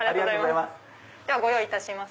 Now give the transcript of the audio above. ではご用意いたします。